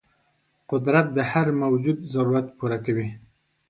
قدرت د هر موجود ضرورت پوره کوي.